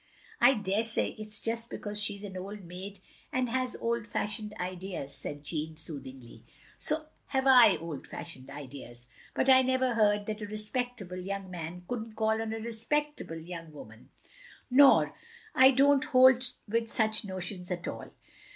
" I daresay it 's just because she 's an old maid and has old fashioned ideas, " said Jeanne, soothingly. "So have I old fashioned ideas. But I never heard that a respectable young man couldn't call on a respectable young woman, nor I don't 158 THE LONELY LADY hold with such notions at all.